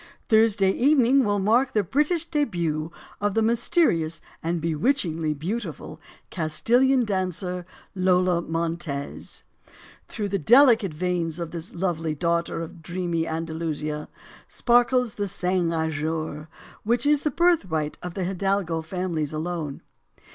Thursday evening will mark the British debut of the mysterious and bewitchingly beau tiful Castilian dancer, Lola Montez. "Through the delicate veins of this lovely daughter of dreamy Andalusia sparkles the sang azur which is 2 STORIES OF THE SUPER WOMEN the birthright of the hidalgo families alone.